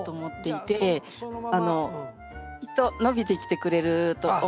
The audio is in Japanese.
きっと伸びてきてくれると思うし。